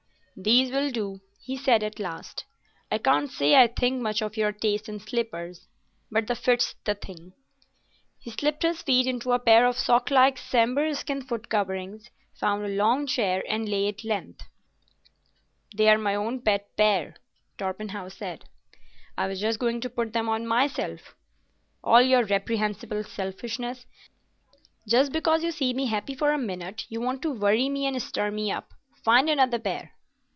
"These will do," he said at last; "I can't say I think much of your taste in slippers, but the fit's the thing." He slipped his feet into a pair of sock like sambhur skin foot coverings, found a long chair, and lay at length. "They're my own pet pair," Torpenhow said. "I was just going to put them on myself." "All your reprehensible selfishness. Just because you see me happy for a minute, you want to worry me and stir me up. Find another pair."